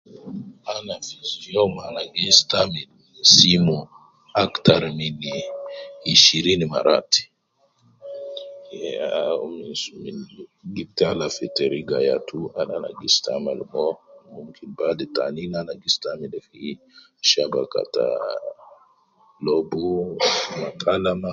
Ana fi ustu youm ana gi istamil simu akhdhar min ishirin marat, yaw, min gi tala fi teriga yatu al ana gi istamil mo, bada tanin ana gi istamil zaidi fi shabaka ta lobu ma tan